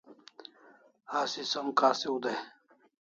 Asi som kasiu dai